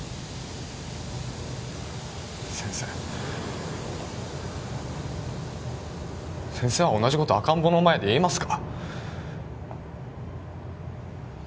先生先生は同じことを赤ん坊の前で言えますか？